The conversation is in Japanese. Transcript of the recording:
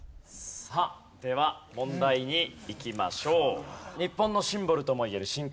さあでは問題にいきましょう。